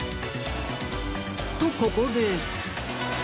とここで